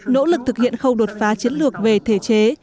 nỗ lực thực hiện khâu đột phá chiến lược về thể chế